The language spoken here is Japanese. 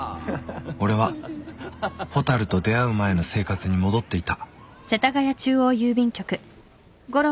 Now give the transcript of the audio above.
［俺は蛍と出会う前の生活に戻っていた］